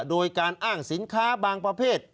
โดยการอ้างสินค้าบางประเภท